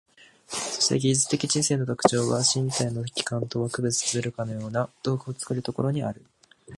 そして技術的知性の特徴は、身体の器官とは区別されるかような道具を作るところにある。